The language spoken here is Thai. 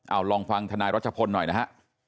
เอาลองฟังธนายรัชพลหน่อยนะฮะ